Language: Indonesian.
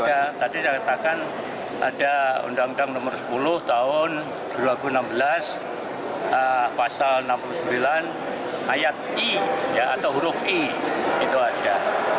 ada tadi saya katakan ada undang undang nomor sepuluh tahun dua ribu enam belas pasal enam puluh sembilan ayat i atau huruf i itu ada